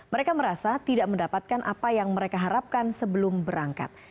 mereka merasa tidak mendapatkan apa yang mereka harapkan sebelum berangkat